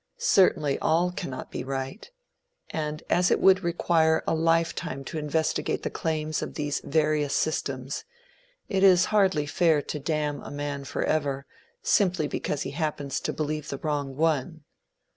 Certainly all cannot be right; and as it would require a life time to investigate the claims of these various systems, it is hardly fair to damn a man forever, simply because he happens to believe the wrong one.